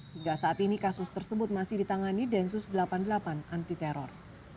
hingga saat ini kasus tersebut masih ditangani densus delapan puluh delapan anti teror